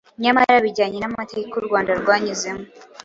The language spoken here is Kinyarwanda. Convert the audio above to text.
Nyamara bijyanye n’amateka u Rwanda rwanyuzemo,